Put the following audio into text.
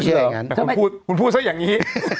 แต่คุณพูดซะอย่างนี้